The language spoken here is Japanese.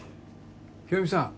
清美さん。